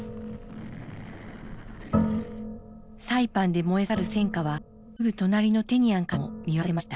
サイパンで燃えさかる戦火はすぐ隣のテニアンからも見渡せました。